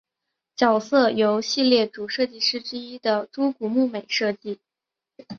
角色由系列主设计师之一的猪股睦美设计。